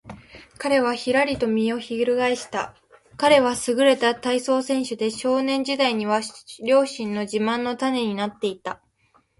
彼はひらりと身をひるがえした。彼はすぐれた体操選手で、少年時代には両親の自慢の種になっていた。